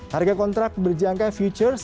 harga kontrak berjangka futures